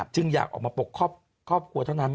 จึงอยากออกมาปกครอบครัวเท่านั้น